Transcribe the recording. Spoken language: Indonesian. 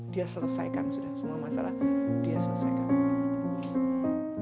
dia selesaikan sudah semua masalah dia selesaikan